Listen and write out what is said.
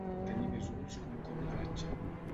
Tenir més ulls que un covo d'alatxa.